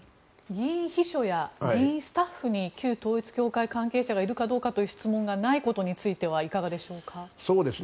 議員秘書や議員スタッフに旧統一教会関係者がいるかどうかという質問がないことに関してはどうでしょうか。